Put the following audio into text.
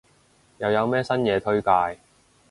又有咩新嘢推介？